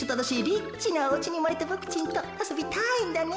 リッチなおうちにうまれたボクちんとあそびたいんだね。